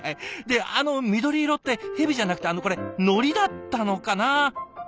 であの緑色ってヘビじゃなくてのりだったのかな？